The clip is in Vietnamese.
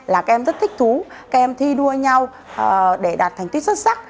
là các em rất thích thú các em thi đua nhau để đạt thành tích xuất sắc